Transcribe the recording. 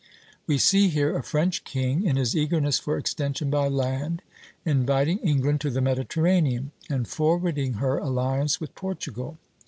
We see here a French king, in his eagerness for extension by land, inviting England to the Mediterranean, and forwarding her alliance with Portugal.